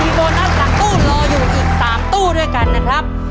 มีโบนัสหลังตู้รออยู่อีก๓ตู้ด้วยกันนะครับ